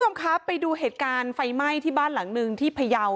คุณผู้ชมครับไปดูเหตุการณ์ไฟไหม้ที่บ้านหลังหนึ่งที่พยาว